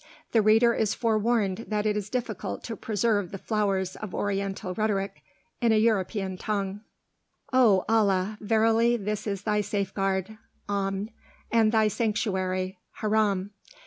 The reader is forewarned that it is difficult to preserve the flowers of Oriental rhetoric in a European tongue. "O Allah! verily this is thy safeguard (Amn) and thy Sanctuary (Haram)!